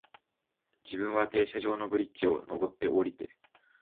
自分は停車場のブリッジを、上って、降りて、